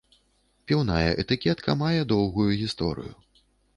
Піўная этыкетка мае доўгую гісторыю.